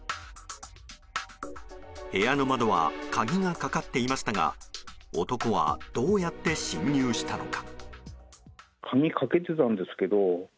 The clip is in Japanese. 部屋の窓は鍵がかかっていましたが男はどうやって侵入したのか。